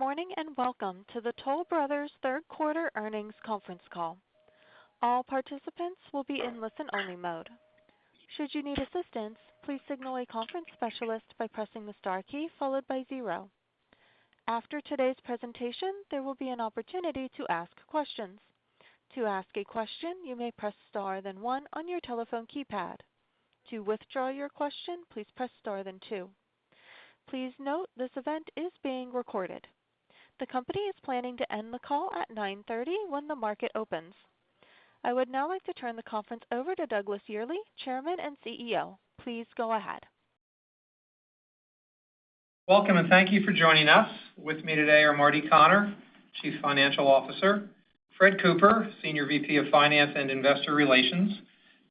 Morning and welcome to the Toll Brothers Third quarter earnings conference call. The company is planning to end the call at 9:30 when the market opens. I would now like to turn the conference over to Douglas Yearley, Chairman and CEO. Please go ahead. Welcome, and thank you for joining us. With me today are Marty Connor, Chief Financial Officer, Fred Cooper, Senior VP of Finance and Investor Relations,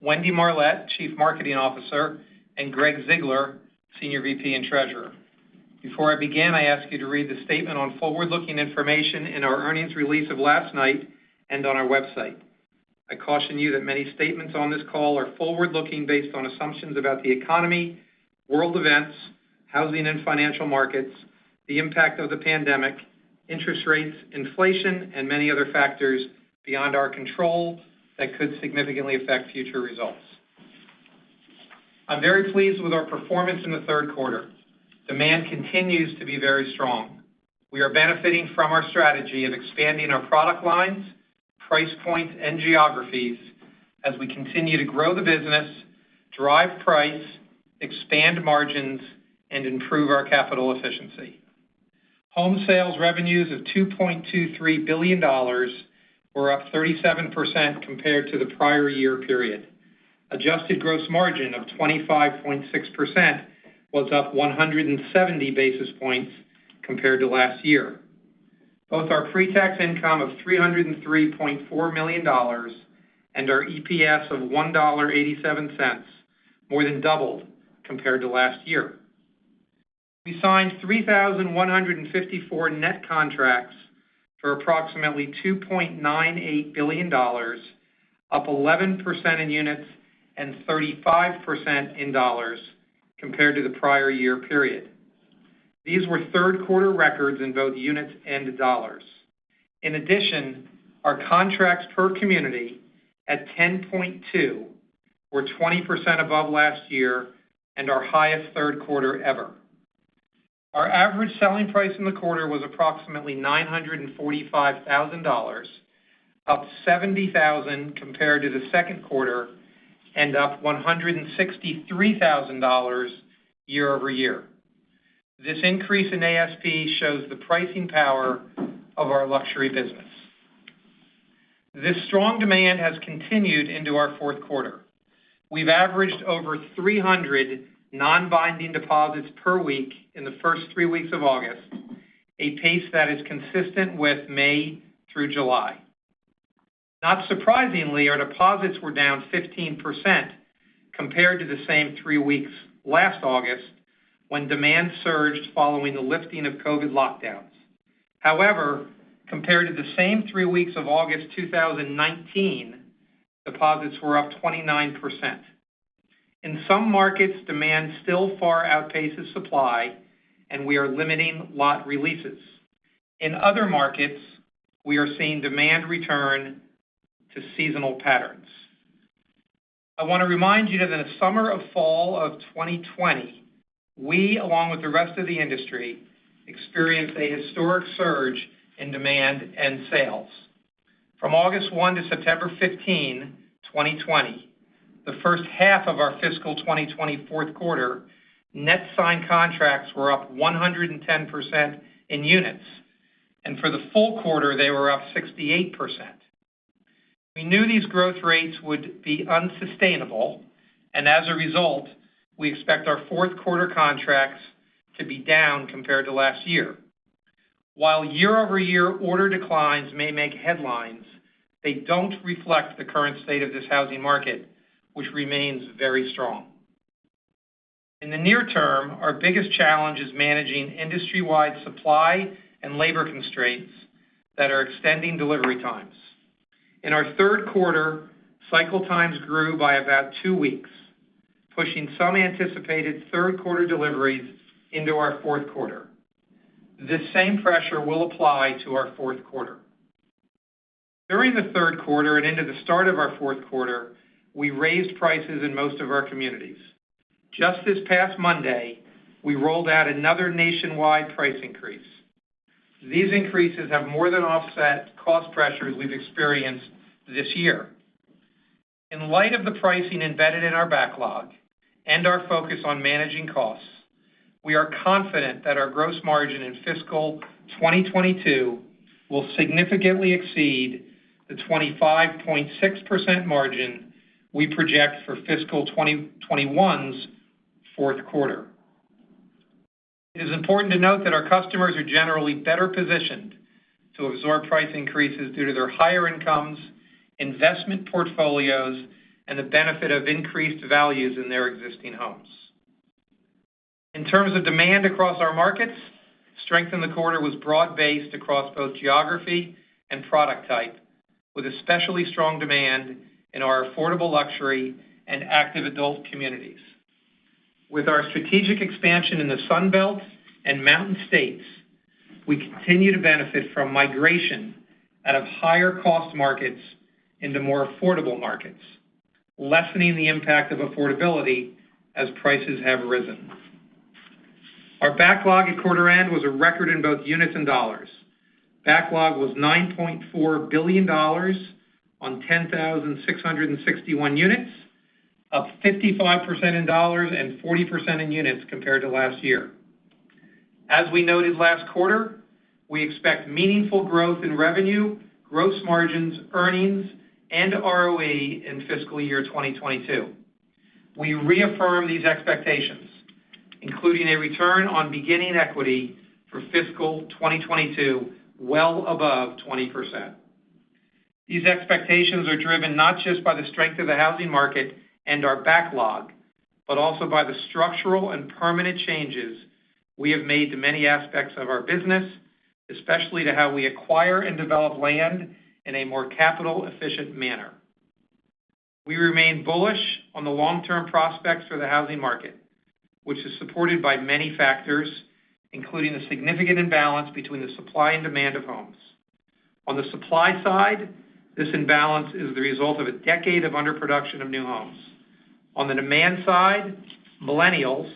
Wendy Marlett, Chief Marketing Officer, and Gregg Ziegler, Senior VP and Treasurer. Before I begin, I ask you to read the statement on forward-looking information in our earnings release of last night and on our website. I caution you that many statements on this call are forward-looking based on assumptions about the economy, world events, housing and financial markets, the impact of the pandemic, interest rates, inflation, and many other factors beyond our control that could significantly affect future results. I'm very pleased with our performance in the third quarter. Demand continues to be very strong. We are benefiting from our strategy of expanding our product lines, price points, and geographies as we continue to grow the business, drive price, expand margins, and improve our capital efficiency. Home sales revenues of $2.23 billion were up 37% compared to the prior year period. Adjusted gross margin of 25.6% was up 170 basis points compared to last year. Both our pre-tax income of $303.4 million and our EPS of $1.87 more than doubled compared to last year. We signed 3,154 net contracts for approximately $2.98 billion, up 11% in units and 35% in dollars compared to the prior year period. These were third-quarter records in both units and dollars. In addition, our contracts per community at 10.2 were 20% above last year and our highest third quarter ever. Our average selling price in the quarter was approximately $945,000, up $70,000 compared to the second quarter and up $163,000 year-over-year. This increase in ASP shows the pricing power of our luxury business. This strong demand has continued into our fourth quarter. We've averaged over 300 non-binding deposits per week in the first three weeks of August, a pace that is consistent with May through July. Not surprisingly, our deposits were down 15% compared to the same three weeks last August when demand surged following the lifting of COVID lockdowns. However, compared to the same three weeks of August 2019, deposits were up 29%. In some markets, demand still far outpaces supply, and we are limiting lot releases. In other markets, we are seeing demand return to seasonal patterns. I want to remind you that in the summer or fall of 2020, we, along with the rest of the industry, experienced a historic surge in demand and sales. From August 1, 2020 to September 15, 2020, the first half of our fiscal 2020 fourth quarter, net signed contracts were up 110% in units, and for the full quarter, they were up 68%. We knew these growth rates would be unsustainable. As a result, we expect our fourth quarter contracts to be down compared to last year. While year-over-year order declines may make headlines, they don't reflect the current state of this housing market, which remains very strong. In the near term, our biggest challenge is managing industry-wide supply and labor constraints that are extending delivery times. In our third quarter, cycle times grew by about two weeks, pushing some anticipated third-quarter deliveries into our fourth quarter. This same pressure will apply to our fourth quarter. During the third quarter and into the start of our fourth quarter, we raised prices in most of our communities. Just this past Monday, we rolled out another nationwide price increase. These increases have more than offset cost pressures we've experienced this year. In light of the pricing embedded in our backlog and our focus on managing costs, we are confident that our gross margin in fiscal 2022 will significantly exceed the 25.6% margin we project for fiscal 2021's fourth quarter. It is important to note that our customers are generally better positioned to absorb price increases due to their higher incomes, investment portfolios, and the benefit of increased values in their existing homes. In terms of demand across our markets, strength in the quarter was broad-based across both geography and product type, with especially strong demand in our affordable luxury and active adult communities. With our strategic expansion in the Sun Belt and Mountain States, we continue to benefit from migration out of higher cost markets into more affordable markets, lessening the impact of affordability as prices have risen. Our backlog at quarter end was a record in both units and dollars. Backlog was $9.4 billion on 10,661 units, up 55% in dollars and 40% in units compared to last year. As we noted last quarter, we expect meaningful growth in revenue, gross margins, earnings, and ROE in fiscal year 2022. We reaffirm these expectations, including a return on beginning equity for fiscal 2022 well above 20%. These expectations are driven not just by the strength of the housing market and our backlog, but also by the structural and permanent changes we have made to many aspects of our business, especially to how we acquire and develop land in a more capital-efficient manner. We remain bullish on the long-term prospects for the housing market, which is supported by many factors, including the significant imbalance between the supply and demand of homes. On the supply side, this imbalance is the result of a decade of underproduction of new homes. On the demand side, millennials,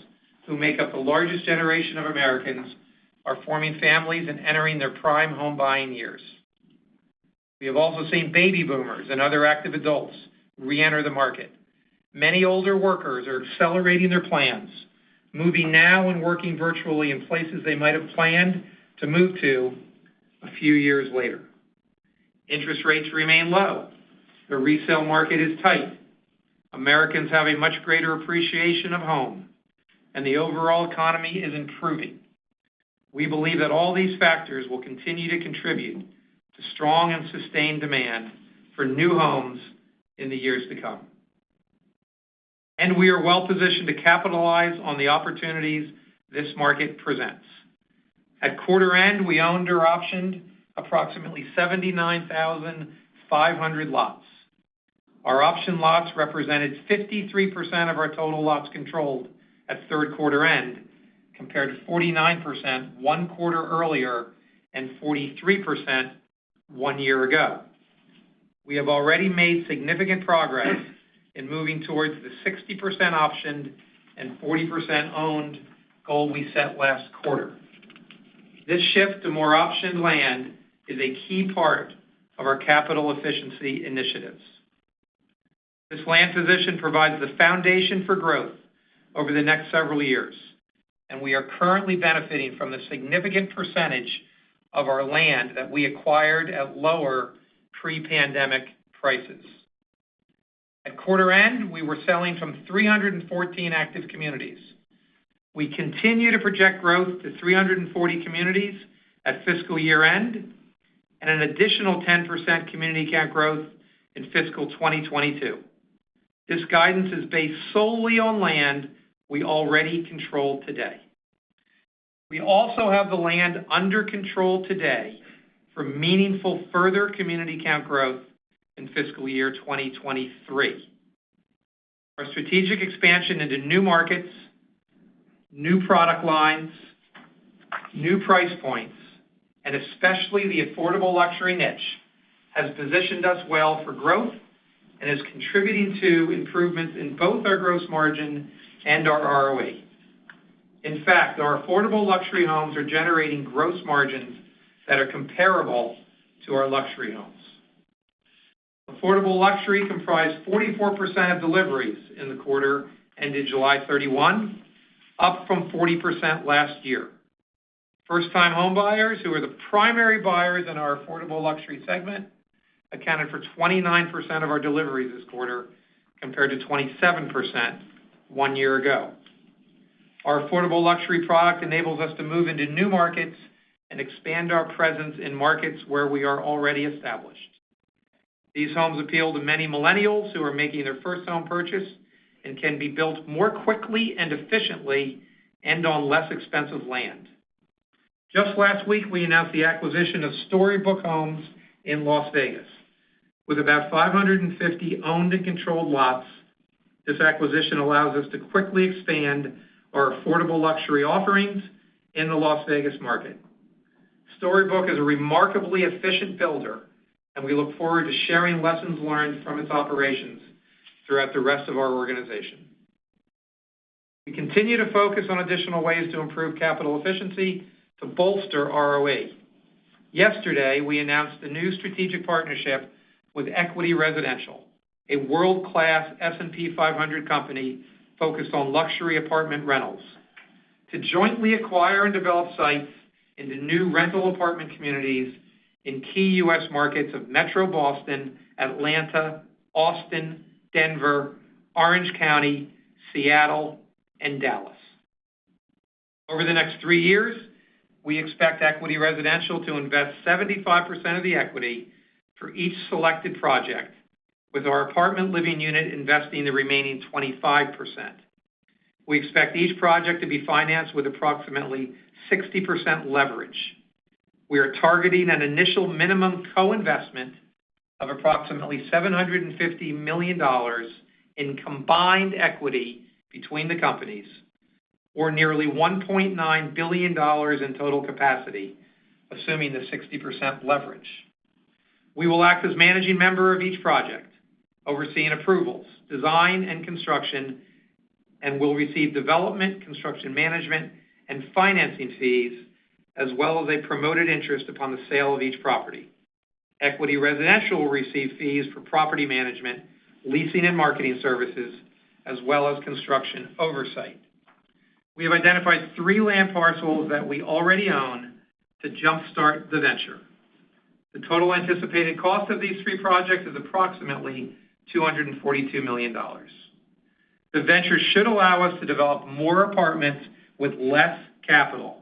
who make up the largest generation of Americans, are forming families and entering their prime home buying years. We have also seen baby boomers and other active adults re-enter the market. Many older workers are accelerating their plans, moving now and working virtually in places they might have planned to move to a few years later. Interest rates remain low. The resale market is tight. Americans have a much greater appreciation of home, and the overall economy is improving. We believe that all these factors will continue to contribute to strong and sustained demand for new homes in the years to come. We are well-positioned to capitalize on the opportunities this market presents. At quarter end, we owned or optioned approximately 79,500 lots. Our optioned lots represented 53% of our total lots controlled at third quarter end, compared to 49% one quarter earlier and 43% one year ago. We have already made significant progress in moving towards the 60% optioned and 40% owned goal we set last quarter. This shift to more optioned land is a key part of our capital efficiency initiatives. This land position provides the foundation for growth over the next several years, and we are currently benefiting from the significant percentage of our land that we acquired at lower pre-pandemic prices. At quarter end, we were selling from 314 active communities. We continue to project growth to 340 communities at fiscal year end and an additional 10% community count growth in fiscal 2022. This guidance is based solely on land we already control today. We also have the land under control today for meaningful further community count growth in fiscal year 2023. Our strategic expansion into new markets, new product lines, new price points, and especially the affordable luxury niche, has positioned us well for growth and is contributing to improvements in both our gross margin and our ROE. In fact, our affordable luxury homes are generating gross margins that are comparable to our luxury homes. Affordable luxury comprised 44% of deliveries in the quarter ended July 31, up from 40% last year. First-time homebuyers, who are the primary buyers in our affordable luxury segment, accounted for 29% of our deliveries this quarter compared to 27% one year ago. Our affordable luxury product enables us to move into new markets and expand our presence in markets where we are already established. These homes appeal to many millennials who are making their first home purchase and can be built more quickly and efficiently and on less expensive land. Just last week, we announced the acquisition of StoryBook Homes in Las Vegas. With about 550 owned and controlled lots, this acquisition allows us to quickly expand our affordable luxury offerings in the Las Vegas market. StoryBook is a remarkably efficient builder, we look forward to sharing lessons learned from its operations throughout the rest of our organization. We continue to focus on additional ways to improve capital efficiency to bolster ROE. Yesterday, we announced a new strategic partnership with Equity Residential, a world-class S&P 500 company focused on luxury apartment rentals, to jointly acquire and develop sites into new rental apartment communities in key U.S. markets of Metro Boston, Atlanta, Austin, Denver, Orange County, Seattle, and Dallas. Over the next three years, we expect Equity Residential to invest 75% of the equity for each selected project, with our apartment living unit investing the remaining 25%. We expect each project to be financed with approximately 60% leverage. We are targeting an initial minimum co-investment of approximately $750 million in combined equity between the companies, or nearly $1.9 billion in total capacity, assuming the 60% leverage. We will act as managing member of each project, overseeing approvals, design, and construction, and will receive development, construction management, and financing fees, as well as a promoted interest upon the sale of each property. Equity Residential will receive fees for property management, leasing and marketing services, as well as construction oversight. We have identified three land parcels that we already own to jumpstart the venture. The total anticipated cost of these three projects is approximately $242 million. The venture should allow us to develop more apartments with less capital,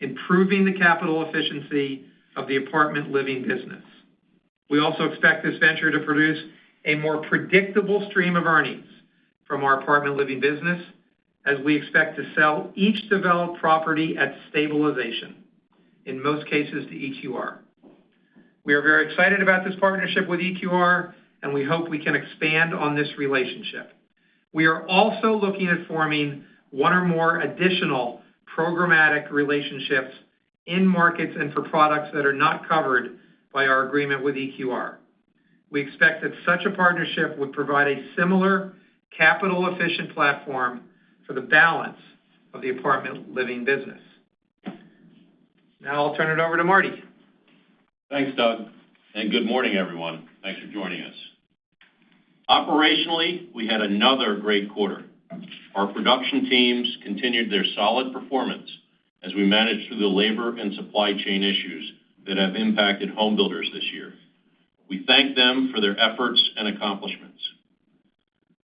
improving the capital efficiency of the apartment living business. We also expect this venture to produce a more predictable stream of earnings from our apartment living business, as we expect to sell each developed property at stabilization, in most cases, to EQR. We are very excited about this partnership with EQR, and we hope we can expand on this relationship. We are also looking at forming one or more additional programmatic relationships in markets and for products that are not covered by our agreement with EQR. We expect that such a partnership would provide a similar capital-efficient platform for the balance of the apartment living business. Now, I'll turn it over to Marty. Thanks, Doug. Good morning, everyone. Thanks for joining us. Operationally, we had another great quarter. Our production teams continued their solid performance as we managed through the labor and supply chain issues that have impacted home builders this year. We thank them for their efforts and accomplishments.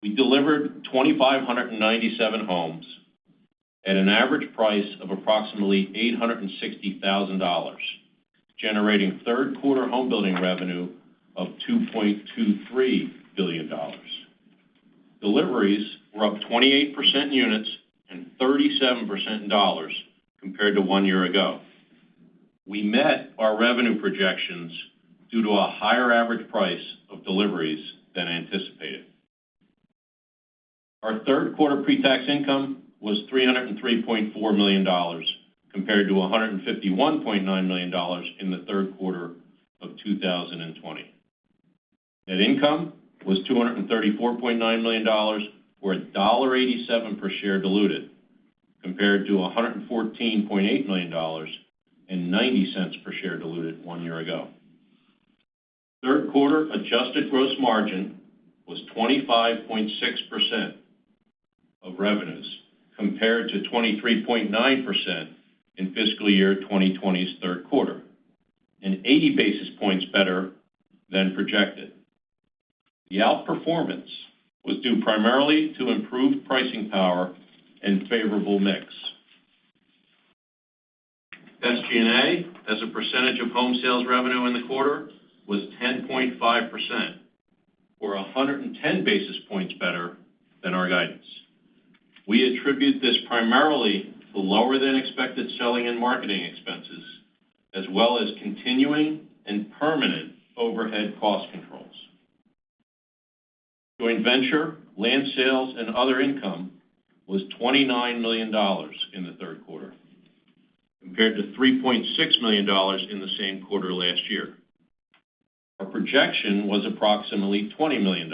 We delivered 2,597 homes at an average price of approximately $860,000, generating third-quarter homebuilding revenue of $2.23 billion. Deliveries were up 28% in units and 37% in dollars compared to one year ago. We met our revenue projections due to a higher average price of deliveries than anticipated. Our third-quarter pre-tax income was $303.4 million, compared to $151.9 million in the third quarter of 2020. Net income was $234.9 million, or $1.87 per share diluted, compared to $114.8 million and $0.90 per share diluted one year ago. Third-quarter adjusted gross margin was 25.6% of revenues, compared to 23.9% in fiscal year 2020's third quarter, and 80 basis points better than projected. The outperformance was due primarily to improved pricing power and favorable mix. SG&A as a percentage of home sales revenue in the quarter was 10.5%, or 110 basis points better than our guidance. We attribute this primarily to lower-than-expected selling and marketing expenses, as well as continuing and permanent overhead cost controls. Joint venture, land sales, and other income was $29 million in the third quarter, compared to $3.6 million in the same quarter last year. Our projection was approximately $20 million.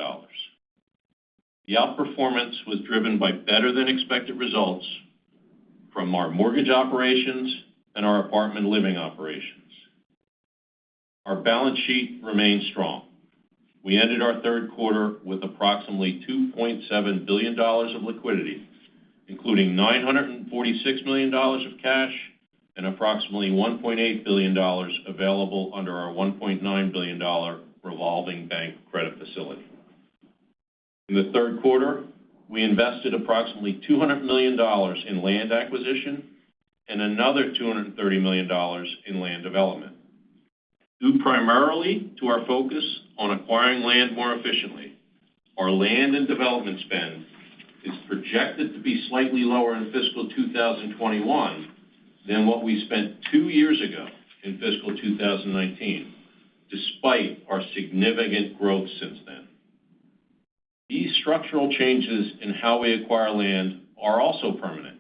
The outperformance was driven by better-than-expected results from our mortgage operations and our apartment living operations. Our balance sheet remains strong. We ended our third quarter with approximately $2.7 billion of liquidity, including $946 million of cash and approximately $1.8 billion available under our $1.9 billion revolving bank credit facility. In the third quarter, we invested approximately $200 million in land acquisition and another $230 million in land development. Due primarily to our focus on acquiring land more efficiently, our land and development spend is projected to be slightly lower in fiscal 2021 than what we spent two years ago in fiscal 2019, despite our significant growth since then. These structural changes in how we acquire land are also permanent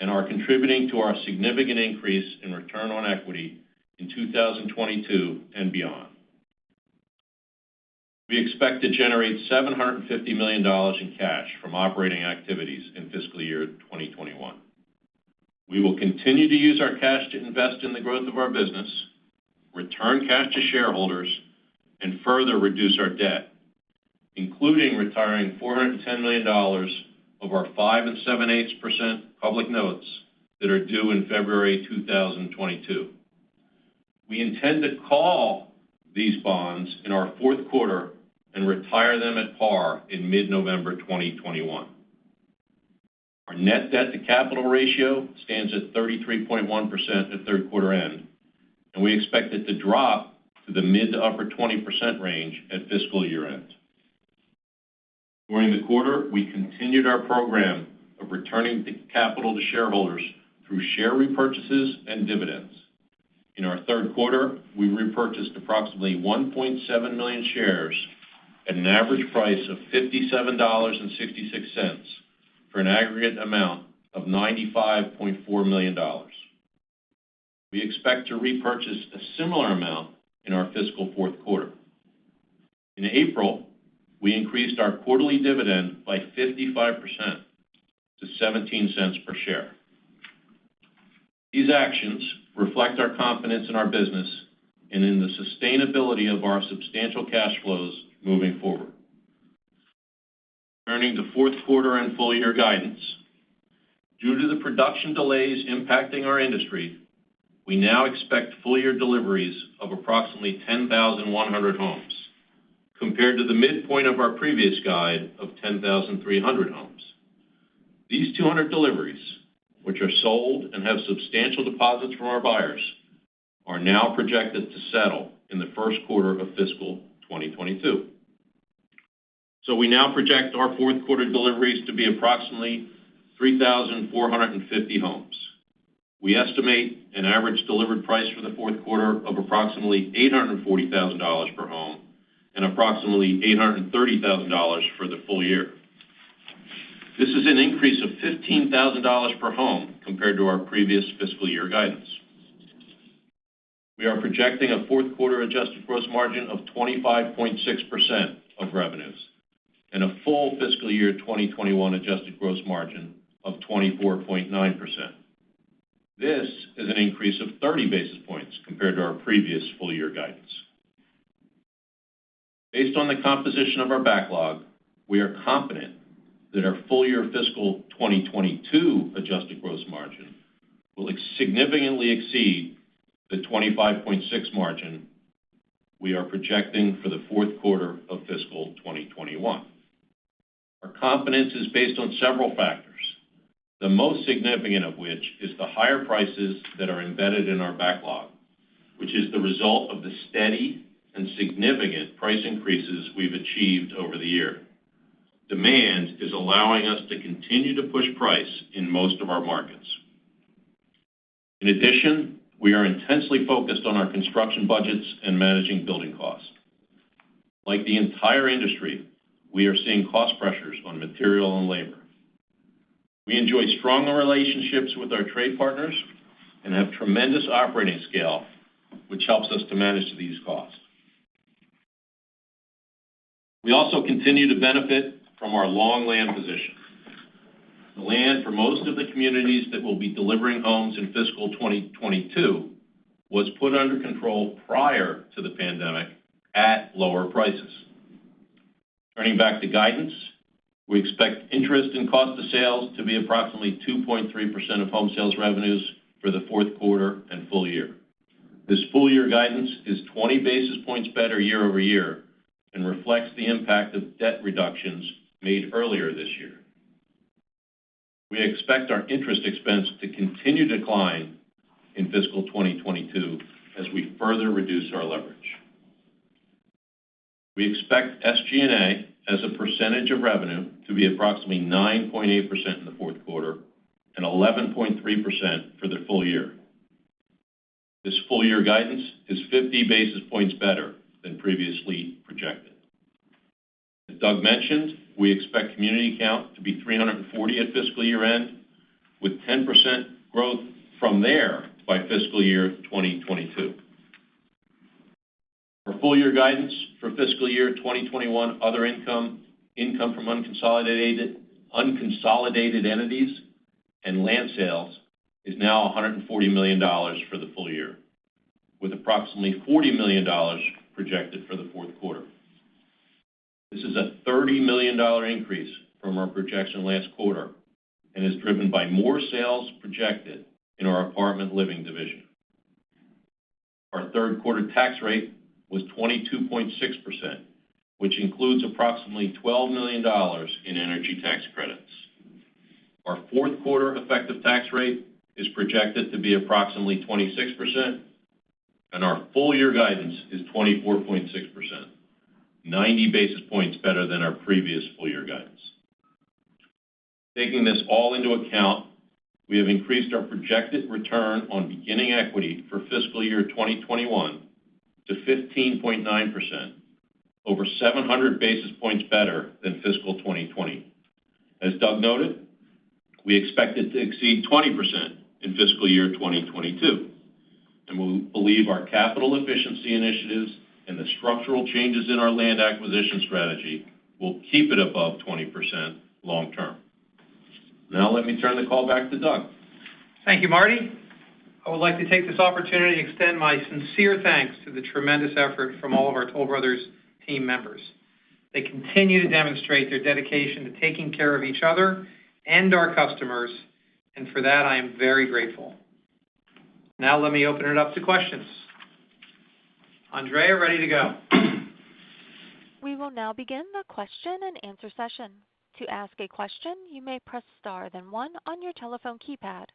and are contributing to our significant increase in return on equity in 2022 and beyond. We expect to generate $750 million in cash from operating activities in fiscal year 2021. We will continue to use our cash to invest in the growth of our business, return cash to shareholders, and further reduce our debt, including retiring $410 million of our 5% and 7%, 8% public notes that are due in February 2022. We intend to call these bonds in our fourth quarter and retire them at par in mid-November 2021. Our net debt to capital ratio stands at 33.1% at third quarter end. We expect it to drop to the mid to upper 20% range at fiscal year-end. During the quarter, we continued our program of returning the capital to shareholders through share repurchases and dividends. In our third quarter, we repurchased approximately 1.7 million shares at an average price of $57.66, for an aggregate amount of $95.4 million. We expect to repurchase a similar amount in our fiscal fourth quarter. In April, we increased our quarterly dividend by 55% to $0.17 per share. These actions reflect our confidence in our business and in the sustainability of our substantial cash flows moving forward. Turning to fourth quarter and full year guidance. Due to the production delays impacting our industry, we now expect full year deliveries of approximately 10,100 homes compared to the midpoint of our previous guide of 10,300 homes. These 200 deliveries, which are sold and have substantial deposits from our buyers, are now projected to settle in the first quarter of fiscal 2022. We now project our fourth quarter deliveries to be approximately 3,450 homes. We estimate an average delivered price for the fourth quarter of approximately $840,000 per home and approximately $830,000 for the full year. This is an increase of $15,000 per home compared to our previous fiscal year guidance. We are projecting a fourth quarter adjusted gross margin of 25.6% of revenues and a full fiscal year 2021 adjusted gross margin of 24.9%. This is an increase of 30 basis points compared to our previous full year guidance. Based on the composition of our backlog, we are confident that our full fiscal year 2022 adjusted gross margin will significantly exceed the 25.6% margin we are projecting for the fourth quarter of fiscal 2021. Our confidence is based on several factors, the most significant of which is the higher prices that are embedded in our backlog, which is the result of the steady and significant price increases we've achieved over the year. Demand is allowing us to continue to push price in most of our markets. In addition, we are intensely focused on our construction budgets and managing building costs. Like the entire industry, we are seeing cost pressures on material and labor. We enjoy strong relationships with our trade partners and have tremendous operating scale, which helps us to manage these costs. We also continue to benefit from our long land position. The land for most of the communities that we'll be delivering homes in fiscal 2022 was put under control prior to the pandemic at lower prices. Turning back to guidance. We expect interest and cost of sales to be approximately 2.3% of home sales revenues for the fourth quarter and full year. This full year guidance is 20 basis points better year-over-year and reflects the impact of debt reductions made earlier this year. We expect our interest expense to continue to decline in fiscal 2022 as we further reduce our leverage. We expect SG&A as a percentage of revenue to be approximately 9.8% in the fourth quarter and 11.3% for the full year. This full year guidance is 50 basis points better than previously projected. As Doug mentioned, we expect community count to be 340 at fiscal year-end, with 10% growth from there by fiscal year 2022. Our full year guidance for fiscal year 2021, other income from unconsolidated entities, and land sales is now $140 million for the full year, with approximately $40 million projected for the fourth quarter. This is a $30 million increase from our projection last quarter and is driven by more sales projected in our apartment living division. Our third quarter tax rate was 22.6%, which includes approximately $12 million in energy tax credits. Our fourth quarter effective tax rate is projected to be approximately 26%, and our full year guidance is 24.6%, 90 basis points better than our previous full year guidance. Taking this all into account, we have increased our projected return on beginning equity for fiscal year 2021 to 15.9%, over 700 basis points better than fiscal 2020. As Doug noted, we expect it to exceed 20% in fiscal year 2022, and we believe our capital efficiency initiatives and the structural changes in our land acquisition strategy will keep it above 20% long term. Now let me turn the call back to Doug. Thank you, Marty. I would like to take this opportunity to extend my sincere thanks to the tremendous effort from all of our Toll Brothers team members. They continue to demonstrate their dedication to taking care of each other and our customers, and for that, I am very grateful. Now let me open it up to questions. Andrea, ready to go. We will now begin the question and answer session. To ask a question, you may press star then one on your telephone keypad.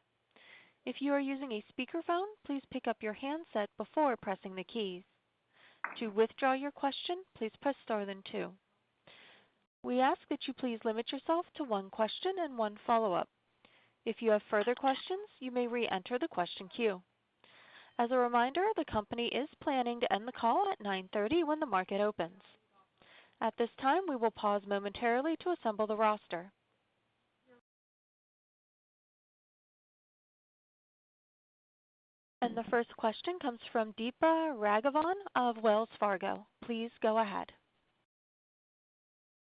As a reminder, the company is planning to end the call at 9:30 when the market opens. At this time, we will pause momentarily to assemble the roster. The first question comes from Deepa Raghavan of Wells Fargo. Please go ahead.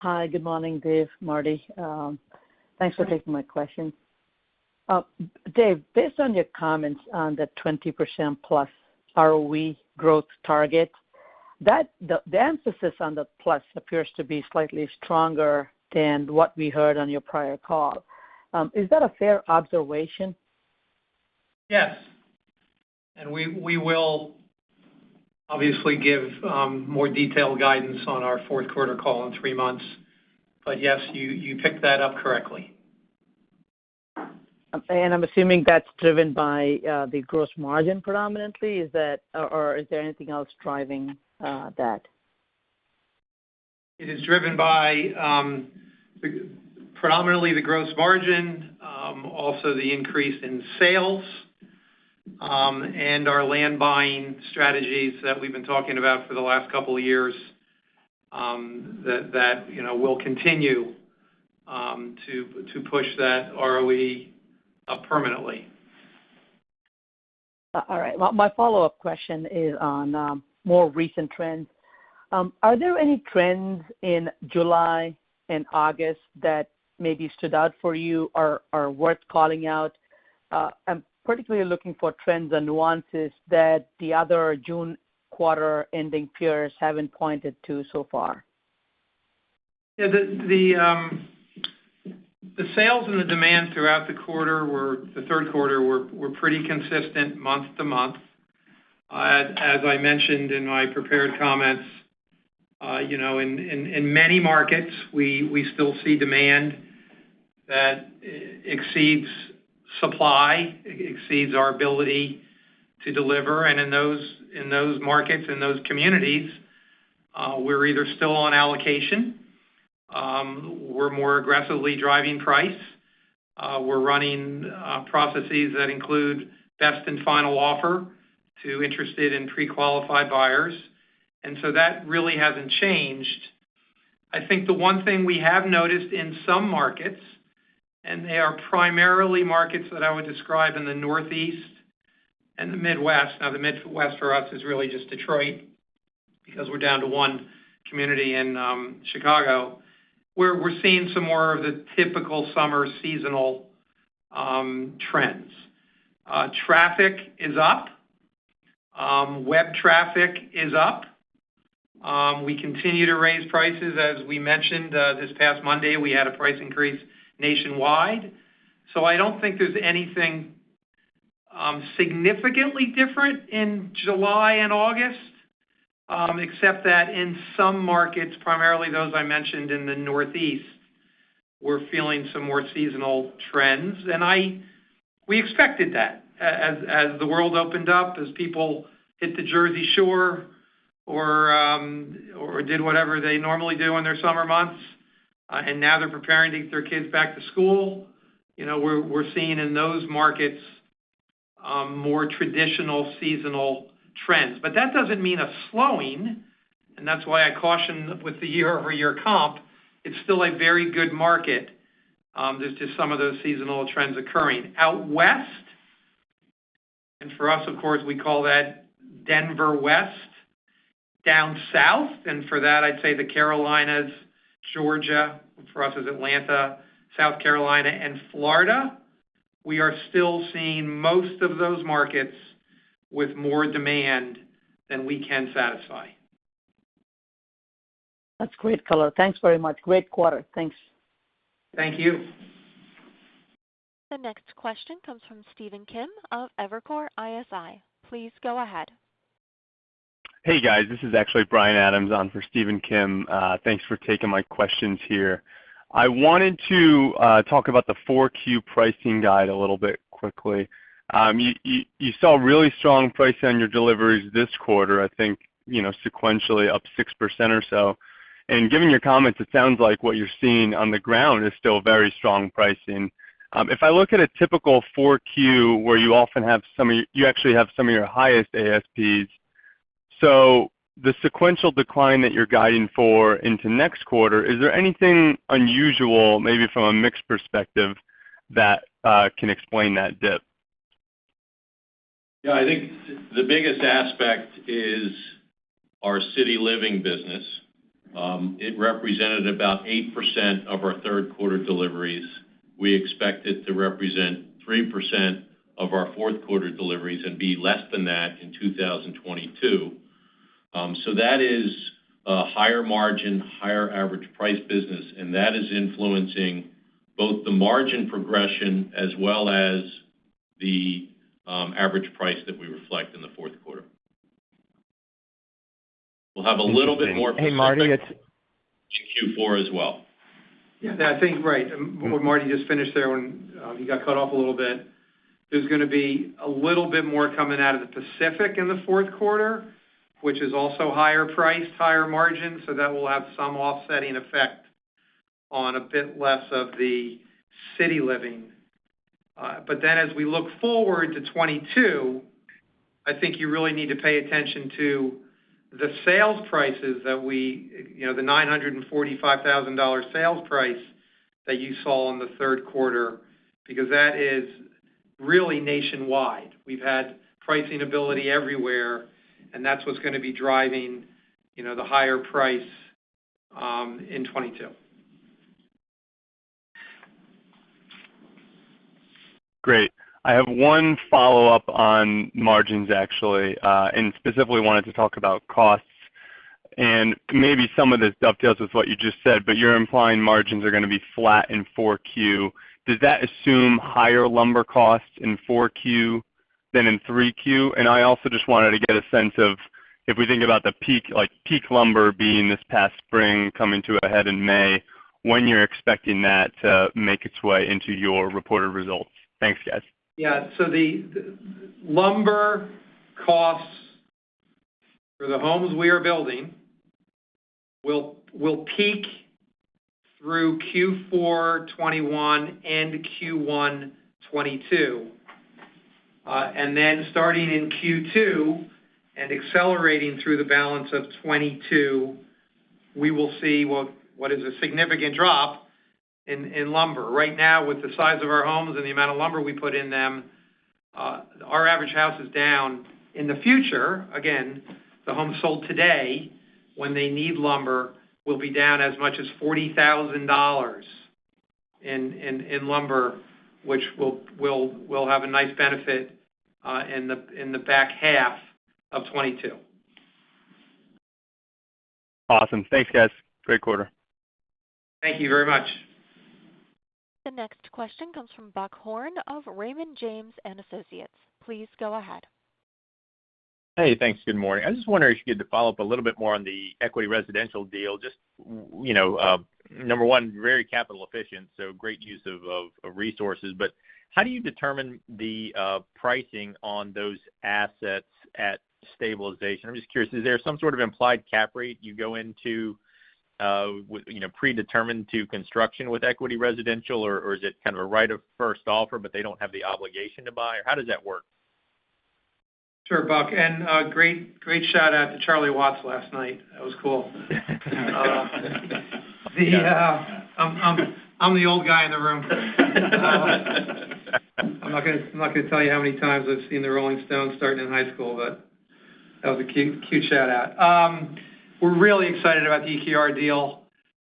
Hi. Good morning, Doug, Marty. Thanks for taking my question. Doug, based on your comments on the 20% plus ROE growth target, the emphasis on the plus appears to be slightly stronger than what we heard on your prior call. Is that a fair observation? Yes. We will obviously give more detailed guidance on our fourth quarter call in three months. Yes, you picked that up correctly. I'm assuming that's driven by the gross margin predominantly. Or is there anything else driving that? It is driven by predominantly the gross margin, also the increase in sales, and our land buying strategies that we've been talking about for the last couple of years, that will continue to push that ROE up permanently. All right. Well, my follow-up question is on more recent trends. Are there any trends in July and August that maybe stood out for you or are worth calling out? I'm particularly looking for trends and nuances that the other June quarter-ending peers haven't pointed to so far. Yeah. The sales and the demand throughout the third quarter were pretty consistent month-to-month. As I mentioned in my prepared comments, in many markets, we still see demand that exceeds supply, exceeds our ability to deliver. In those markets, in those communities, we're either still on allocation, we're more aggressively driving price. We're running processes that include best and final offer to interested and pre-qualified buyers, that really hasn't changed. I think the one thing we have noticed in some markets, they are primarily markets that I would describe in the Northeast and the Midwest. Now, the Midwest for us is really just Detroit, because we're down to one community in Chicago, where we're seeing some more of the typical summer seasonal trends. Traffic is up. Web traffic is up. We continue to raise prices. As we mentioned, this past Monday, we had a price increase nationwide. I don't think there's anything significantly different in July and August, except that in some markets, primarily those I mentioned in the Northeast, we're feeling some more seasonal trends. We expected that. As the world opened up, as people hit the Jersey Shore or did whatever they normally do in their summer months, and now they're preparing to get their kids back to school. We're seeing in those markets more traditional seasonal trends. That doesn't mean a slowing, and that's why I caution with the year-over-year comp. It's still a very good market. There's just some of those seasonal trends occurring. Out West, and for us, of course, we call that Denver West. Down South, for that, I'd say the Carolinas, Georgia, for us as Atlanta, South Carolina, and Florida, we are still seeing most of those markets with more demand than we can satisfy. That's great color. Thanks very much. Great quarter. Thanks. Thank you. The next question comes from Stephen Kim of Evercore ISI. Please go ahead. Hey, guys, this is actually Brian Adams on for Stephen Kim. Thanks for taking my questions here. I wanted to talk about the 4Q pricing guide a little bit quickly. You saw really strong pricing on your deliveries this quarter, I think sequentially up 6% or so. Given your comments, it sounds like what you're seeing on the ground is still very strong pricing. If I look at a typical 4Q, where you actually have some of your highest ASPs. The sequential decline that you're guiding for into next quarter, is there anything unusual, maybe from a mix perspective, that can explain that dip? I think the biggest aspect is our City Living business. It represented about 8% of our third quarter deliveries. We expect it to represent 3% of our fourth quarter deliveries and be less than that in 2022. That is a higher margin, higher average price business, and that is influencing both the margin progression as well as the average price that we reflect in the fourth quarter. We'll have a little bit more- Hey, Marty, In Q4 as well. Yeah, I think, right. What Marty just finished there, he got cut off a little bit. There's going to be a little bit more coming out of the Pacific in the fourth quarter, which is also higher priced, higher margin, so that will have some offsetting effect on a bit less of the Toll Brothers City Living. As we look forward to 2022, I think you really need to pay attention to the sales prices, the $945,000 sales price that you saw in the third quarter, because that is really nationwide. We've had pricing ability everywhere, and that's what's going to be driving the higher price in 2022. Great. I have one follow-up on margins, actually, and specifically wanted to talk about costs. Maybe some of this dovetails with what you just said, but you're implying margins are going to be flat in 4Q. Does that assume higher lumber costs in 4Q than in 3Q? I also just wanted to get a sense of, if we think about the peak lumber being this past spring, coming to a head in May, when you're expecting that to make its way into your reported results. Thanks, guys. Yeah, the lumber costs for the homes we are building will peak through Q4 2021 and Q1 2022. Starting in Q2 and accelerating through the balance of 2022, we will see what is a significant drop in lumber. Right now, with the size of our homes and the amount of lumber we put in them, our average house is down. In the future, again, the homes sold today, when they need lumber, will be down as much as $40,000 in lumber, which will have a nice benefit in the back half of 2022. Awesome. Thanks, guys. Great quarter. Thank you very much. The next question comes from Buck Horne of Raymond James & Associates. Please go ahead. Hey, thanks. Good morning. I was just wondering if you could follow up a little bit more on the Equity Residential deal. Just, number one, very capital efficient, so great use of resources. How do you determine the pricing on those assets at stabilization? I'm just curious, is there some sort of implied cap rate you go into predetermined to construction with Equity Residential, or is it kind of a right of first offer, but they don't have the obligation to buy, or how does that work? Sure, Buck Horne, great shout-out to Charlie Watts last night. That was cool. I'm the old guy in the room. I'm not going to tell you how many times I've seen The Rolling Stones starting in high school, that was a cute shout-out. We're really excited about the EQR deal.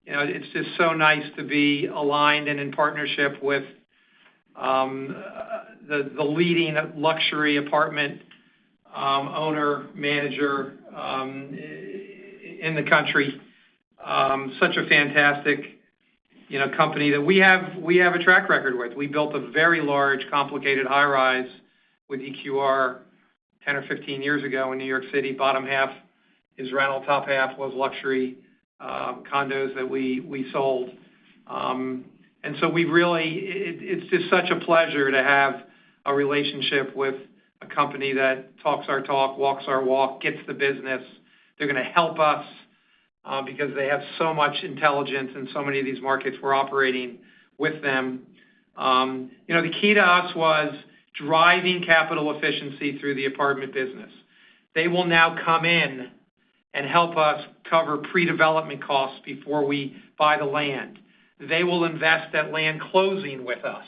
It's just so nice to be aligned and in partnership with the leading luxury apartment owner, manager in the country. Such a fantastic company that we have a track record with. We built a very large, complicated high-rise with EQR 10 or 15 years ago in New York City. Bottom half is rental, top half was luxury condos that we sold. It's just such a pleasure to have a relationship with a company that talks our talk, walks our walk, gets the business. They're going to help us because they have so much intelligence in so many of these markets we're operating with them. The key to us was driving capital efficiency through the apartment business. They will now come in and help us cover pre-development costs before we buy the land. They will invest at land closing with us,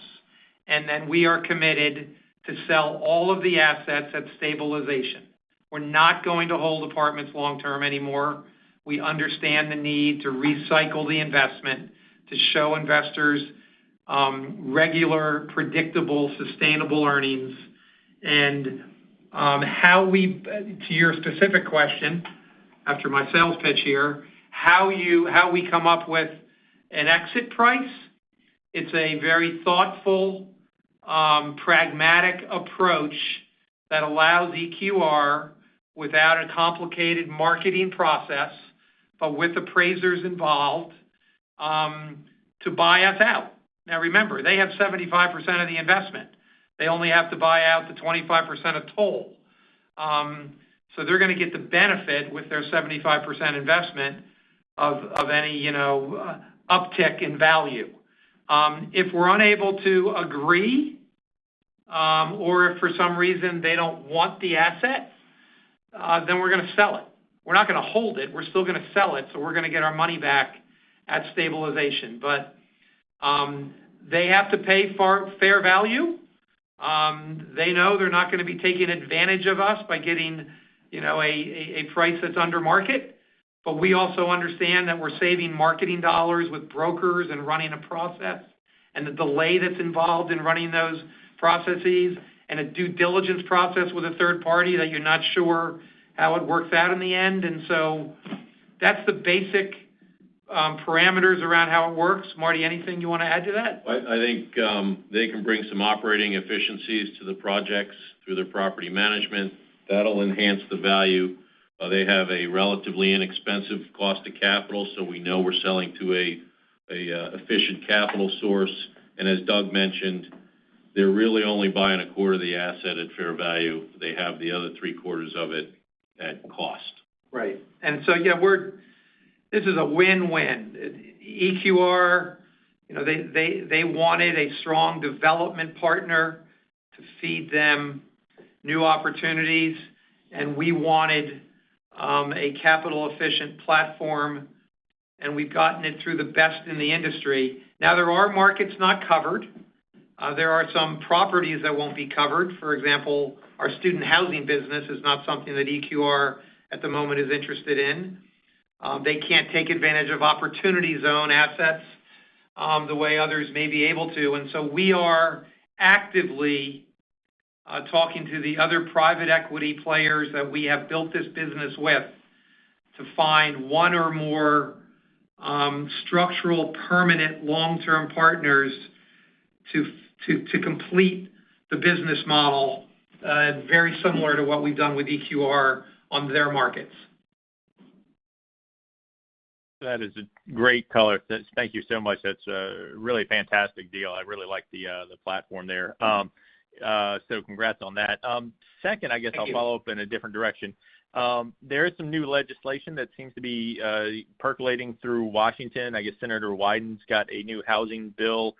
then we are committed to sell all of the assets at stabilization. We're not going to hold apartments long-term anymore. We understand the need to recycle the investment to show investors regular, predictable, sustainable earnings. To your specific question, after my sales pitch here, how we come up with an exit price, it's a very thoughtful pragmatic approach that allows EQR, without a complicated marketing process, but with appraisers involved, to buy us out. Now remember, they have 75% of the investment. They only have to buy out the 25% of Toll. They're going to get the benefit with their 75% investment of any uptick in value. If we're unable to agree, or if for some reason they don't want the asset, we're going to sell it. We're not going to hold it. We're still going to sell it, we're going to get our money back at stabilization. They have to pay fair value. They know they're not going to be taking advantage of us by getting a price that's under market. We also understand that we're saving marketing dollars with brokers and running a process, and the delay that's involved in running those processes and a due diligence process with a third party that you're not sure how it works out in the end. That's the basic parameters around how it works. Marty, anything you want to add to that? I think they can bring some operating efficiencies to the projects through their property management. That'll enhance the value. They have a relatively inexpensive cost of capital, so we know we're selling to a efficient capital source. As Doug mentioned, they're really only buying a quarter of the asset at fair value. They have the other three-quarters of it at cost. Right. Yeah, this is a win-win. EQR, they wanted a strong development partner to feed them new opportunities, and we wanted a capital-efficient platform, and we've gotten it through the best in the industry. Now, there are markets not covered. There are some properties that won't be covered. For example, our student housing business is not something that EQR, at the moment, is interested in. They can't take advantage of Opportunity Zone assets the way others may be able to. We are actively talking to the other private equity players that we have built this business with to find one or more structural, permanent long-term partners to complete the business model, very similar to what we've done with EQR on their markets. That is a great color. Thank you so much. That's a really fantastic deal. I really like the platform there. Congrats on that. Thank you. Second, I guess I'll follow up in a different direction. There is some new legislation that seems to be percolating through Washington. I guess Senator Wyden's got a new housing bill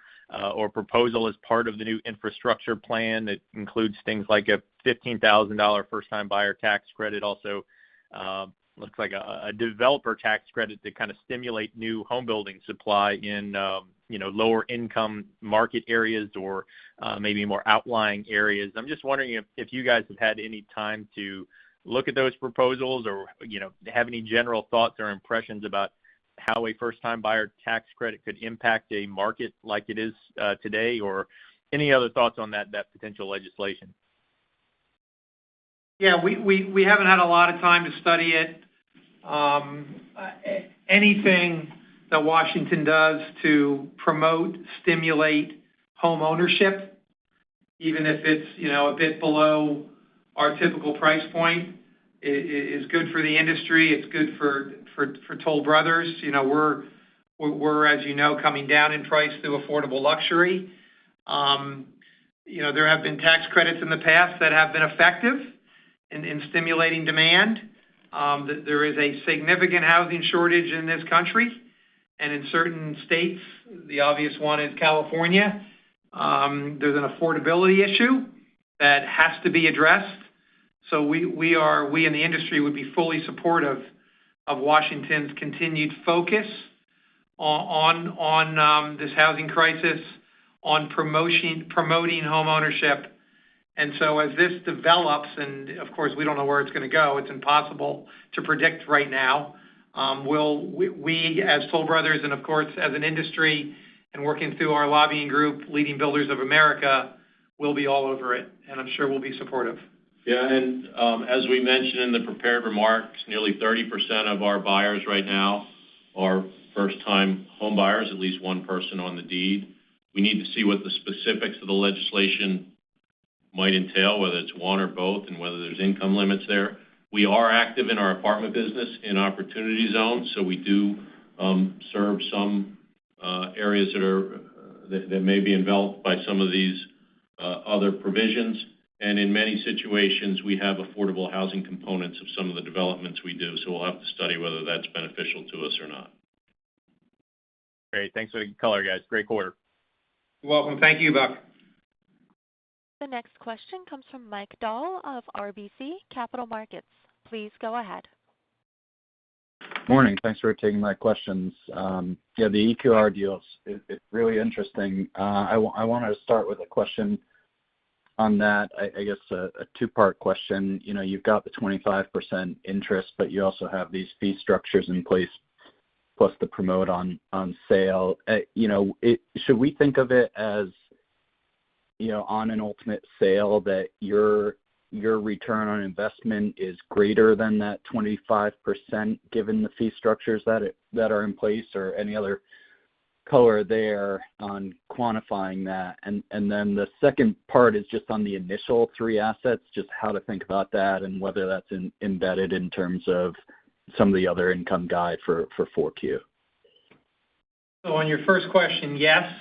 or proposal as part of the new infrastructure plan that includes things like a $15,000 first-time buyer tax credit. Also, looks like a developer tax credit to kind of stimulate new home building supply in lower-income market areas or maybe more outlying areas. I'm just wondering if you guys have had any time to look at those proposals or have any general thoughts or impressions about how a first-time buyer tax credit could impact a market like it is today, or any other thoughts on that potential legislation. Yeah, we haven't had a lot of time to study it. Anything that Washington does to promote, stimulate homeownership, even if it's a bit below our typical price point, is good for the industry. It's good for Toll Brothers. We're, as you know, coming down in price through affordable luxury. There have been tax credits in the past that have been effective in stimulating demand. There is a significant housing shortage in this country, and in certain states, the obvious one is California. There's an affordability issue that has to be addressed. We in the industry would be fully supportive of Washington's continued focus on this housing crisis, on promoting homeownership. As this develops, and of course, we don't know where it's going to go, it's impossible to predict right now, we as Toll Brothers and of course as an industry and working through our lobbying group, Leading Builders of America, will be all over it, and I'm sure we'll be supportive. Yeah, as we mentioned in the prepared remarks, nearly 30% of our buyers right now are first-time homebuyers, at least one person on the deed. We need to see what the specifics of the legislation might entail, whether it's one or both, and whether there's income limits there. We are active in our apartment business in Opportunity Zones, we do serve some areas that may be enveloped by some of these other provisions. In many situations, we have affordable housing components of some of the developments we do. We'll have to study whether that's beneficial to us or not. Great. Thanks for the color, guys. Great quarter. You're welcome. Thank you, Buck. The next question comes from Mike Dahl of RBC Capital Markets. Please go ahead. Morning. Thanks for taking my questions. The EQR deals, it's really interesting. I wanted to start with a question on that. I guess a two-part question. You've got the 25% interest, but you also have these fee structures in place, plus the promote on sale. Should we think of it as on an ultimate sale that your return on investment is greater than that 25%, given the fee structures that are in place, or any other color there on quantifying that? The second part is just on the initial three assets, just how to think about that and whether that's embedded in terms of some of the other income guide for 4Q. On your first question, yes.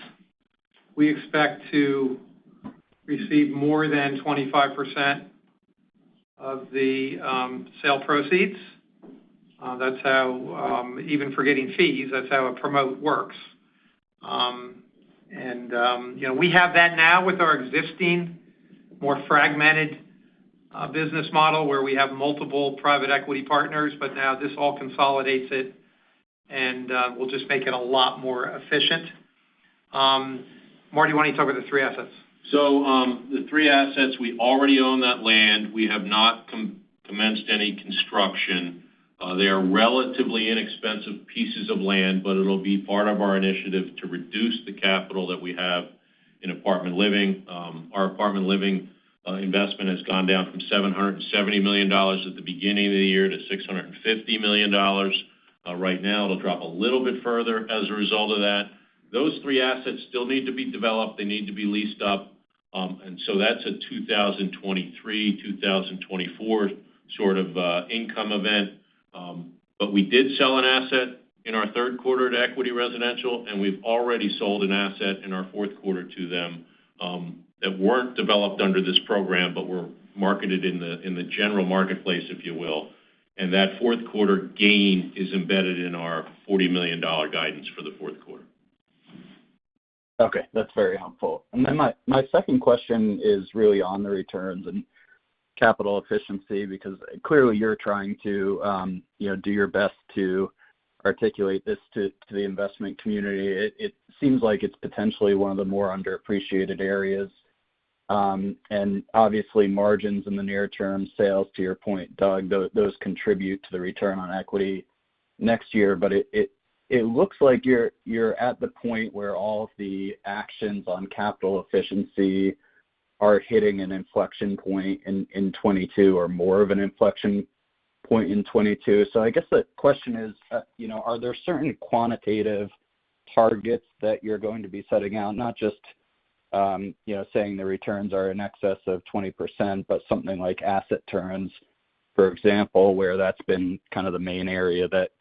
We expect to receive more than 25% of the sale proceeds. Even for getting fees, that's how a promote works. We have that now with our existing, more fragmented business model where we have multiple private equity partners, but now this all consolidates it, and we'll just make it a lot more efficient. Marty, why don't you talk about the three assets? The three assets, we already own that land. We have not commenced any construction. They are relatively inexpensive pieces of land. It'll be part of our initiative to reduce the capital that we have in apartment living. Our apartment living investment has gone down from $770 million at the beginning of the year to $650 million right now. It'll drop a little bit further as a result of that. Those three assets still need to be developed. They need to be leased up. That's a 2023, 2024 sort of income event. We did sell an asset in our third quarter to Equity Residential. We've already sold an asset in our fourth quarter to them that weren't developed under this program, but were marketed in the general marketplace, if you will. That fourth quarter gain is embedded in our $40 million guidance for the fourth quarter. Okay. That's very helpful. My second question is really on the returns and capital efficiency, because clearly you're trying to do your best to articulate this to the investment community. It seems like it's potentially one of the more underappreciated areas. Obviously margins in the near term, sales, to your point, Doug, those contribute to the return on equity next year. It looks like you're at the point where all of the actions on capital efficiency are hitting an inflection point in 2022, or more of an inflection point in 2022. I guess the question is, are there certain quantitative targets that you're going to be setting out, not just saying the returns are in excess of 20%, but something like asset turns, for example, where that's been kind of the main area that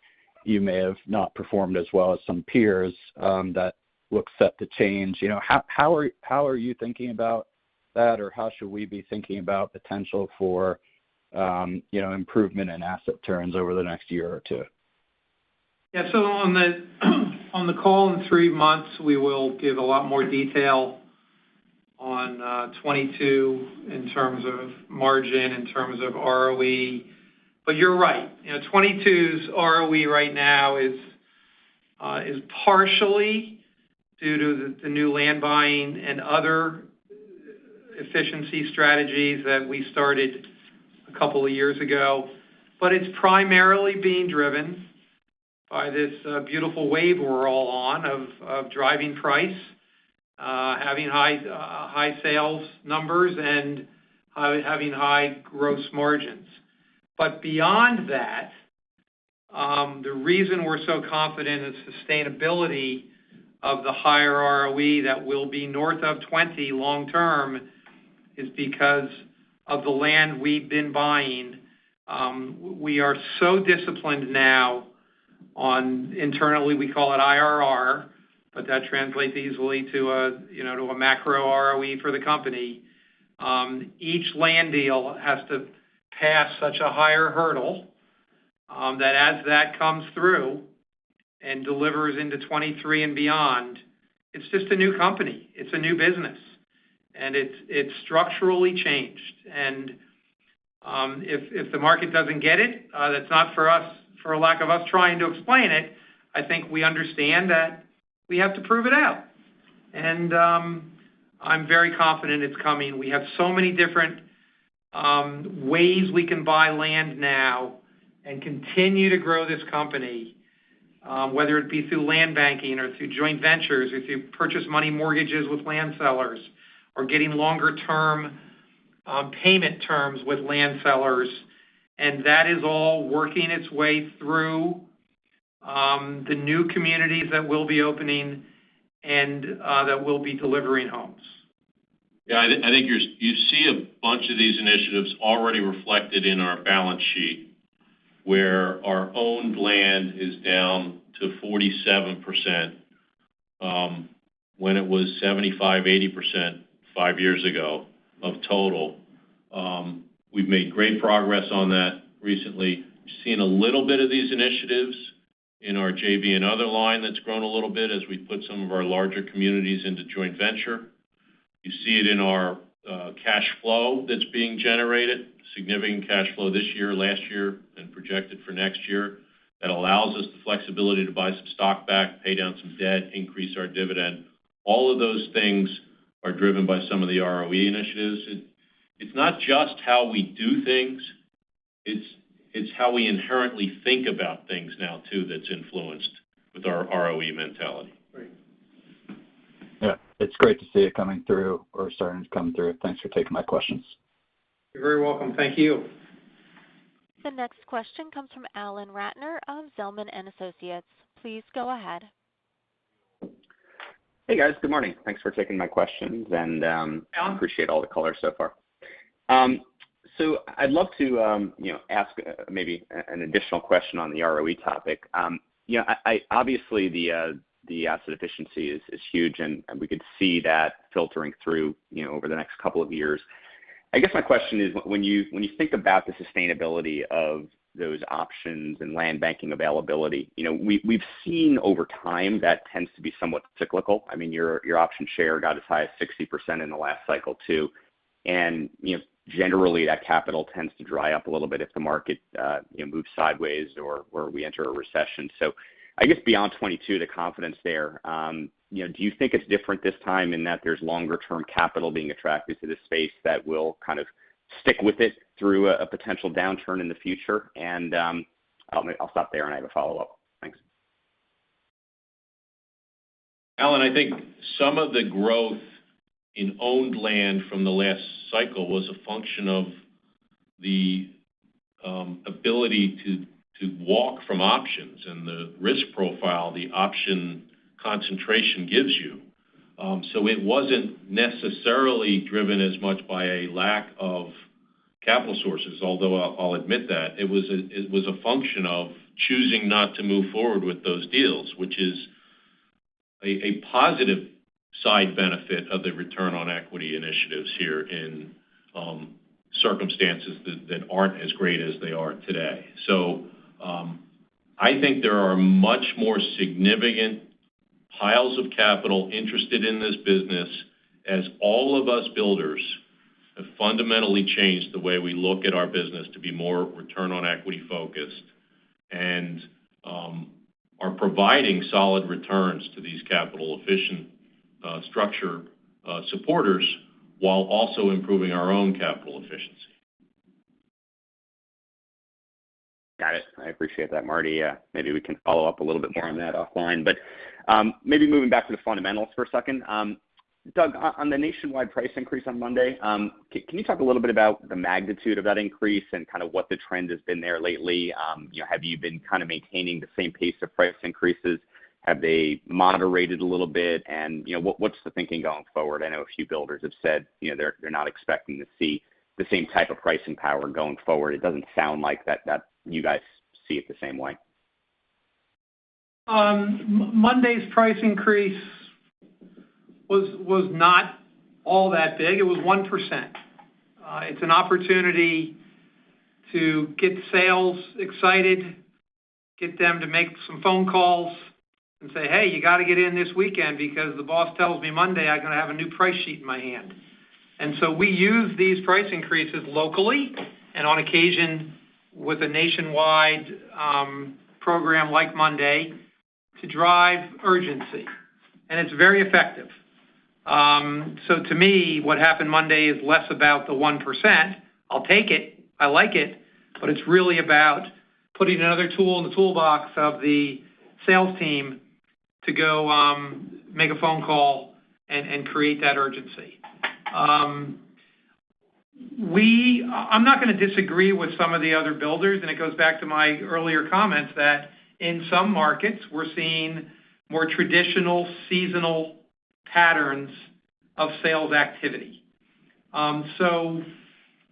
you may have not performed as well as some peers that looks set to change. How are you thinking about that, or how should we be thinking about potential for improvement in asset turns over the next year or two? Yeah. On the call in three months, we will give a lot more detail on 2022 in terms of margin, in terms of ROE. You're right. 2022's ROE right now is partially due to the new land buying and other efficiency strategies that we started a couple of years ago. It's primarily being driven by this beautiful wave we're all on of driving price, having high sales numbers, and having high gross margins. Beyond that, the reason we're so confident in sustainability of the higher ROE that will be north of 20% long term is because of the land we've been buying. We are so disciplined now on, internally, we call it IRR, but that translates easily to a macro ROE for the company. Each land deal has to pass such a higher hurdle that as that comes through and delivers into 2023 and beyond, it's just a new company. It's a new business, and it's structurally changed. If the market doesn't get it, that's not for a lack of us trying to explain it. I think we understand that we have to prove it out. I'm very confident it's coming. We have so many different ways we can buy land now and continue to grow this company, whether it be through land banking or through joint ventures or through purchase money mortgages with land sellers, or getting longer-term payment terms with land sellers. That is all working its way through the new communities that we'll be opening and that we'll be delivering homes. Yeah, I think you see a bunch of these initiatives already reflected in our balance sheet, where our owned land is down to 47%, when it was 75%, 80% five years ago, of total. We've made great progress on that recently. We've seen a little bit of these initiatives in our JV and other line that's grown a little bit as we put some of our larger communities into joint venture. You see it in our cash flow that's being generated, significant cash flow this year, last year, and projected for next year. That allows us the flexibility to buy some stock back, pay down some debt, increase our dividend. All of those things are driven by some of the ROE initiatives. It's not just how we do things, it's how we inherently think about things now too, that's influenced with our ROE mentality. Right. Yeah. It's great to see it coming through or starting to come through. Thanks for taking my questions. You're very welcome. Thank you. The next question comes from Alan Ratner of Zelman & Associates. Please go ahead. Hey, guys. Good morning. Thanks for taking my questions. Alan Appreciate all the color so far. I'd love to ask maybe an additional question on the ROE topic. Obviously, the asset efficiency is huge, and we could see that filtering through over the next couple of years. I guess my question is, when you think about the sustainability of those options and land banking availability, we've seen over time that tends to be somewhat cyclical. Your option share got as high as 60% in the last cycle, too. Generally, that capital tends to dry up a little bit if the market moves sideways or we enter a recession. I guess beyond 2022, the confidence there, do you think it's different this time in that there's longer term capital being attracted to the space that will kind of stick with it through a potential downturn in the future? I'll stop there, and I have a follow-up. Thanks. Alan, I think some of the growth in owned land from the last cycle was a function of the ability to walk from options and the risk profile the option concentration gives you. It wasn't necessarily driven as much by a lack of capital sources, although I'll admit that. It was a function of choosing not to move forward with those deals, which is a positive side benefit of the return on equity initiatives here in circumstances that aren't as great as they are today. I think there are much more significant piles of capital interested in this business as all of us builders have fundamentally changed the way we look at our business to be more return-on-equity focused, and are providing solid returns to these capital-efficient structure supporters while also improving our own capital efficiency. Got it. I appreciate that, Marty. Maybe we can follow up a little bit more on that offline. Maybe moving back to the fundamentals for a second. Doug, on the nationwide price increase on Monday, can you talk a little bit about the magnitude of that increase and what the trend has been there lately? Have you been maintaining the same pace of price increases? Have they moderated a little bit? What's the thinking going forward? I know a few builders have said they're not expecting to see the same type of pricing power going forward. It doesn't sound like you guys see it the same way. Monday's price increase was not all that big. It was 1%. It's an opportunity to get sales excited, get them to make some phone calls and say, "Hey, you got to get in this weekend because the boss tells me Monday I'm going to have a new price sheet in my hand." We use these price increases locally and on occasion with a nationwide program like Monday to drive urgency, and it's very effective. To me, what happened Monday is less about the 1%. I'll take it, I like it, but it's really about putting another tool in the toolbox of the sales team to go make a phone call and create that urgency. I'm not going to disagree with some of the other builders, and it goes back to my earlier comments that in some markets, we're seeing more traditional seasonal patterns of sales activity.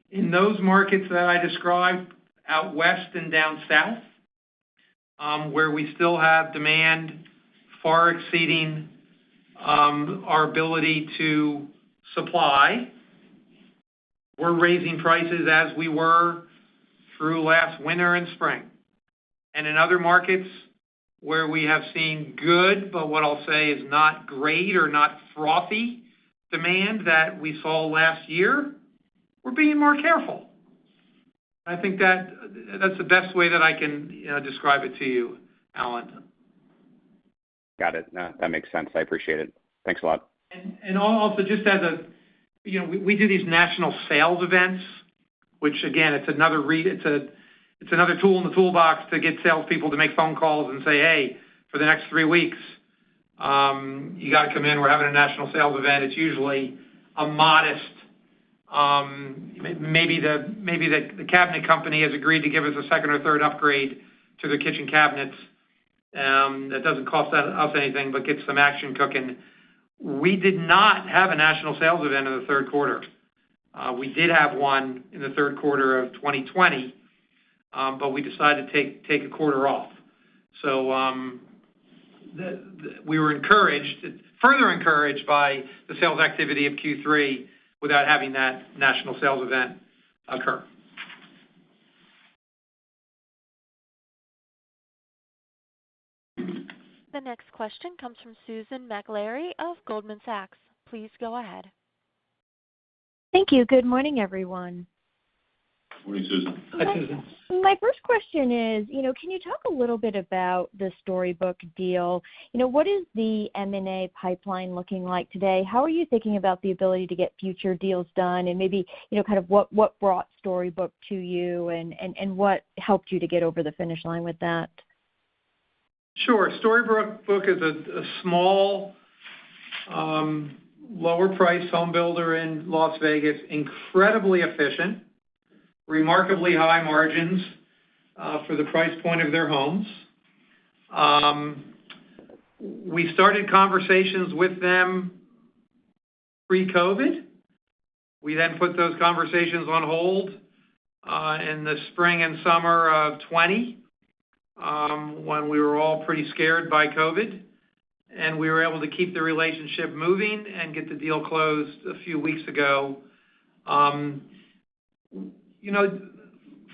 In those markets that I described out West and down South, where we still have demand far exceeding our ability to supply, we're raising prices as we were through last winter and spring. In other markets where we have seen good, but what I'll say is not great or not frothy demand that we saw last year, we're being more careful. I think that's the best way that I can describe it to you, Alan. Got it. No, that makes sense. I appreciate it. Thanks a lot. We do these national sales events, which again, it's another tool in the toolbox to get salespeople to make phone calls and say, "Hey, for the next three weeks, you got to come in. We're having a national sales event." It's usually a modest Maybe the cabinet company has agreed to give us a second or third upgrade to the kitchen cabinets that doesn't cost us anything but gets some action cooking. We did not have a national sales event in the third quarter. We did have one in the third quarter of 2020, we decided to take a quarter off. We were further encouraged by the sales activity of Q3 without having that national sales event occur. The next question comes from Susan McClary of Goldman Sachs. Please go ahead. Good morning, Susan. Hi, Susan. My first question is, can you talk a little bit about the Storybook deal? What is the M&A pipeline looking like today? How are you thinking about the ability to get future deals done and maybe, kind of what brought Storybook to you and what helped you to get over the finish line with that? Sure. Storybook is a small lower-priced home builder in Las Vegas, incredibly efficient, remarkably high margins for the price point of their homes. We started conversations with them pre-COVID. We put those conversations on hold in the spring and summer of 2020, when we were all pretty scared by COVID, and we were able to keep the relationship moving and get the deal closed a few weeks ago.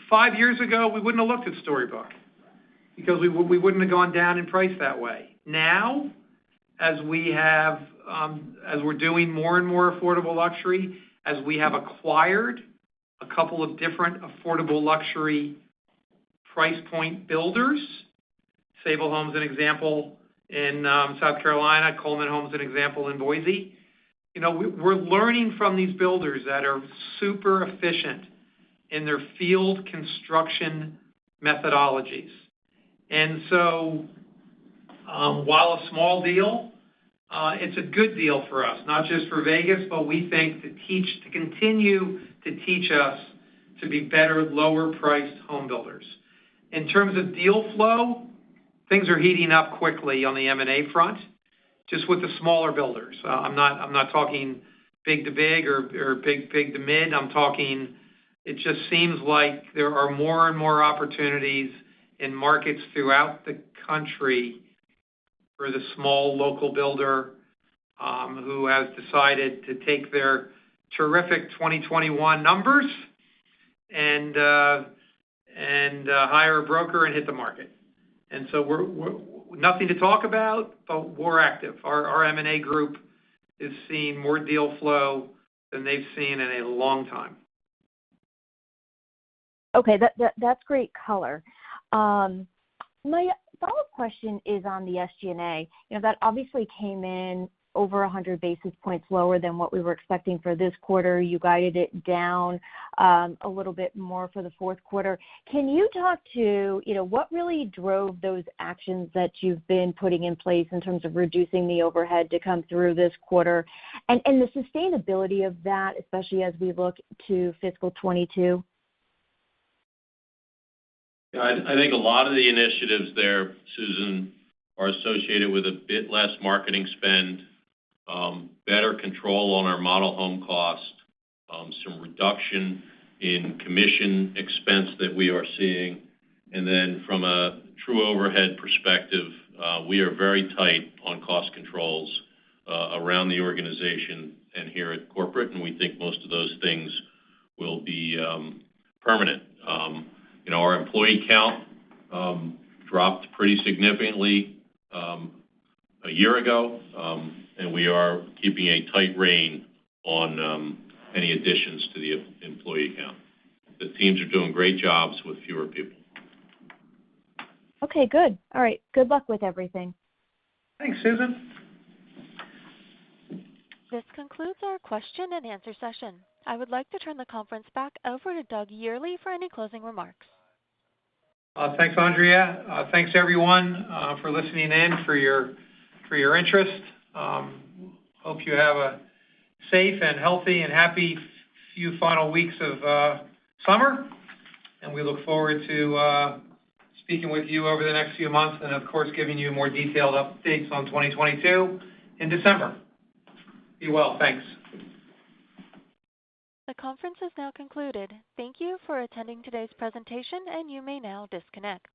Five years ago, we wouldn't have looked at Storybook because we wouldn't have gone down in price that way. Now, as we're doing more and more affordable luxury, as we have acquired a couple of different affordable luxury price point builders, Sabal Homes's an example in South Carolina, Coleman Homes's an example in Boise. We're learning from these builders that are super efficient In their field construction methodologies. While a small deal, it's a good deal for us, not just for Vegas, but we think to continue to teach us to be better at lower priced home builders. In terms of deal flow, things are heating up quickly on the M&A front, just with the smaller builders. I'm not talking big to big or big to mid. It just seems like there are more and more opportunities in markets throughout the country for the small local builder who has decided to take their terrific 2021 numbers and hire a broker and hit the market. Nothing to talk about, but we're active. Our M&A group is seeing more deal flow than they've seen in a long time. Okay. That's great color. My follow-up question is on the SG&A. That obviously came in over 100 basis points lower than what we were expecting for this quarter. You guided it down a little bit more for the fourth quarter. Can you talk to what really drove those actions that you've been putting in place in terms of reducing the overhead to come through this quarter and the sustainability of that, especially as we look to fiscal 2022? Yeah. I think a lot of the initiatives there, Susan, are associated with a bit less marketing spend, better control on our model home cost, some reduction in commission expense that we are seeing. From a true overhead perspective, we are very tight on cost controls around the organization and here at corporate, and we think most of those things will be permanent. Our employee count dropped pretty significantly a year ago, and we are keeping a tight rein on any additions to the employee count. The teams are doing great jobs with fewer people. Okay, good. All right. Good luck with everything. Thanks, Susan. This concludes our question and answer session. I would like to turn the conference back over to Doug Yearley for any closing remarks. Thanks, Andrea. Thanks everyone for listening in, for your interest. Hope you have a safe and healthy and happy few final weeks of summer, and we look forward to speaking with you over the next few months and of course, giving you more detailed updates on 2022 in December. Be well. Thanks. The conference is now concluded. Thank you for attending today's presentation, and you may now disconnect.